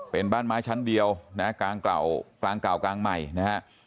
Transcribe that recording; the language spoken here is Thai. เป็นบ้านไม้ชั้นเดียวนะฮะกลางเก่ากลางเก่ากลางใหม่นะฮะ